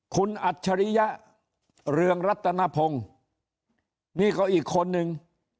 คุณอัจฉริยะเรืองรัตนพงศ์นี่ก็อีกคนนึง